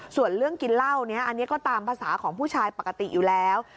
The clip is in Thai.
ส่วนเรื่องกินเหล้านี้อันนี้ก็ตามภาษาของผู้ชายปกติอยู่แล้ว